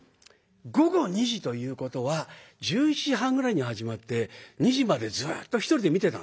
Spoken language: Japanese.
午後２時ということは１１時半ぐらいに始まって２時までずっと１人で見てたんです。